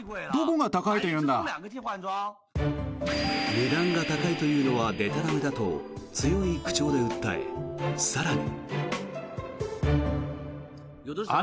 値段が高いというのはでたらめだと強い口調で訴え更に。